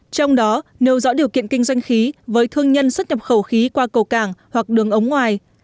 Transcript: trong đó nêu rõ điều kiện kinh doanh khí với thương nhân xuất nhập khẩu khí qua cầu cảng hoặc đường ống ngoài